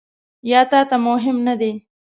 یا تا ته مهم نه دي ؟